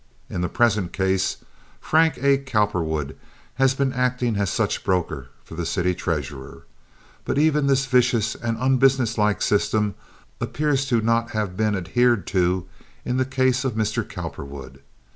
In the present case Frank A. Cowperwood has been acting as such broker for the city treasurer. But even this vicious and unbusiness like system appears not to have been adhered to in the case of Mr. Cowperwood.